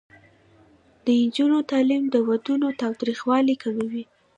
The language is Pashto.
د نجونو تعلیم د ودونو تاوتریخوالي کموي.